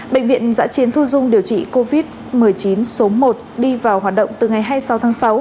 bệnh viện giã chiến thu dung điều trị covid một mươi chín số một đi vào hoạt động từ ngày hai mươi sáu tháng sáu